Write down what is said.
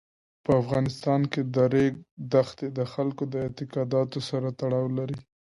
په افغانستان کې د ریګ دښتې د خلکو د اعتقاداتو سره تړاو لري.